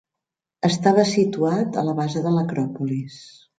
Estava situat a la base de l'Acròpolis.